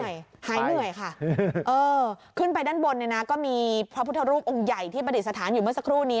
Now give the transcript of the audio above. หายเหนื่อยค่ะเออขึ้นไปด้านบนเนี่ยนะก็มีพระพุทธรูปองค์ใหญ่ที่ประดิษฐานอยู่เมื่อสักครู่นี้